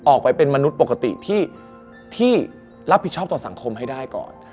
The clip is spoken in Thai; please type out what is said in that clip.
ออกไปเป็นมนุษย์ปกติที่รับผิดชอบต่อสังคมให้ได้ก่อน